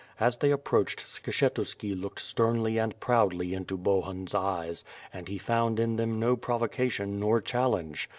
As they approached Skshetuski looked sternly and proudly into Bohun's eyes, but he foimd in them no provocation nor challenge.